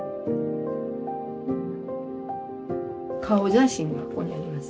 顔写真がここにあります。